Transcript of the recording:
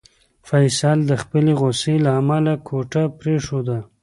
فیصل د خپلې غوسې له امله کوټه پرېښوده.